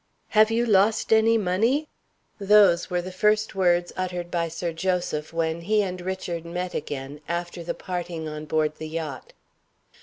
"Have you lost any money?" Those were the first words uttered by Sir Joseph when he and Richard met again, after the parting on board the yacht.